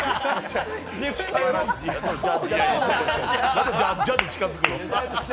なんでジャッジャで近づくの。